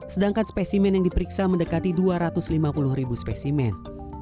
sedangkan spesimen yang diperiksa mendekati dua ratus lima puluh ribu spesimen